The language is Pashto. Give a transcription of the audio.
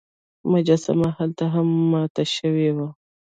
مجسمه هلته هم ماته شوې وه.